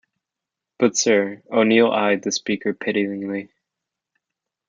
"But sir —" O'neill eyed the speaker pityingly.